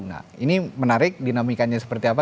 nah ini menarik dinamikanya seperti apa